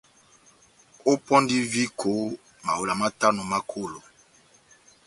Ópɔndi viko mawela matano ma kolo.